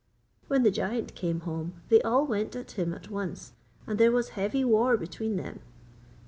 When the giant came home, they all went at him at once, and there was heavy war between them.